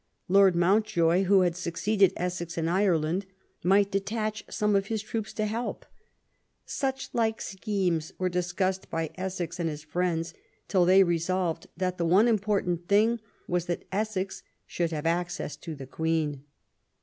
Lord Mountjoy, who had succeeded Essex in Ireland, might detach some of his troops to help. Such like schemes were discussed by Essex and his friends, till they resolved that the one important thing was that Essex should have access to the Queen.